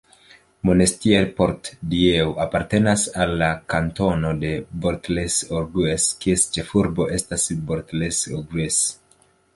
Monestier-Port-Dieu apartenas al la kantono de Bort-les-Orgues, kies ĉefurbo estas Bort-les-Orgues.